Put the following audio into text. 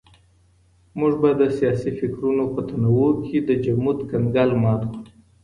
موږ به د سياسي فکرونو په تنوع کي د جمود کنګل مات کړو.